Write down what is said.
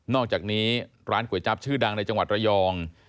อกจากนี้ร้านก๋วยจั๊บชื่อดังในจังหวัดระยอง